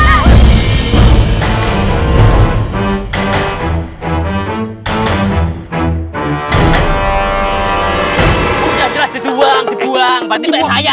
udah jelas dibuang berarti saya